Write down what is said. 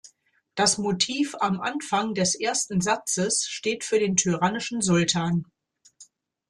Das Motiv am Anfang des ersten Satzes steht für den tyrannischen Sultan.